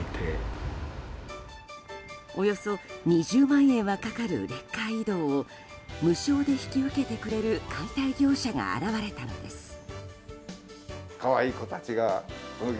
およそ２０万円はかかるレッカー移動を無償で引き受けてくれる解体業者が現れたのです。